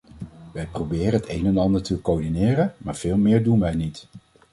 Wij proberen het een en ander te coördineren, maar veel meer doen wij niet.